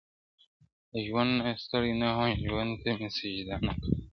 له ژونده ستړی نه وم، ژوند ته مي سجده نه کول.